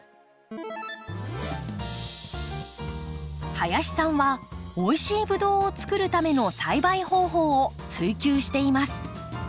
林さんはおいしいブドウをつくるための栽培方法を追究しています。